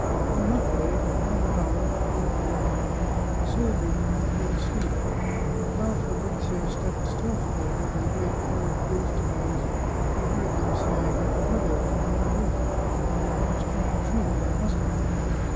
Unluckily, at that hour — a. quarter to one — the soldiers were not yet asleep, and while Fabrizio stepped stealthily over the great curved roof tiles he heard them saying that the devil was on their roof, and that they must try and shoot him with a musket.